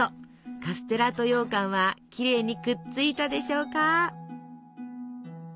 カステラとようかんはきれいにくっついたでしょうか？